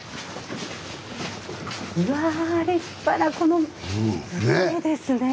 うわ立派なこのいいですねえ。